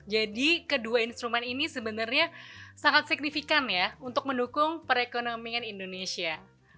jadi kedua instrumen ini sebenarnya sangat signifikan ya untuk mendukung perekonomian indonesia